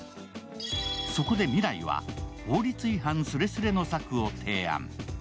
そこで未来は、法律違反スレスレの策を提案。